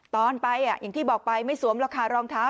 ตอนไปอย่างที่บอกไปไม่สวมราคารองเท้า